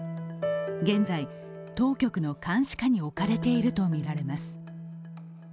現在、当局の監視下に置かれているとみられます。